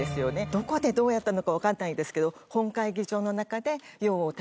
どこでどうやったのか分かんないですけど。